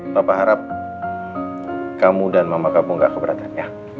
papa harap kamu dan mama kamu gak keberatan ya